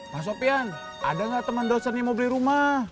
pak sopian ada nggak teman dosen yang mau beli rumah